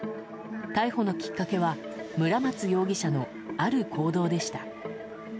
逮捕のきっかけは村松容疑者のある行動でした。